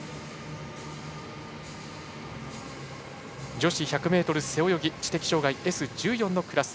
女子１００ｍ背泳ぎ知的障がいＳ１４のクラス。